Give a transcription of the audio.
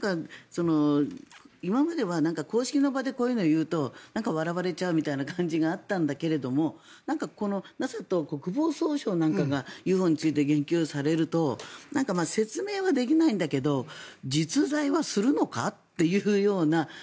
今までは公式の場でこういうことを言うと笑われちゃうみたいな感じがあったんだけどこのＮＡＳＡと国防総省なんかがＵＦＯについて言及されると説明はできないんだけど実在はするのか？